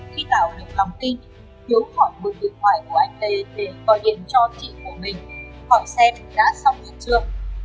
khi tạo được lòng tin thiếu hỏi bức điện thoại của anh t để gọi điện cho chị của mình hỏi xem đã xong chưa